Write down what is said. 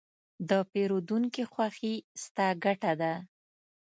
د پیرودونکي خوښي، ستا ګټه ده.